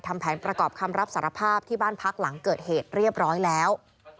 ทำแผนประกอบคำรับสารภาพที่บ้านพักหลังเกิดเหตุเรียบร้อยแล้ว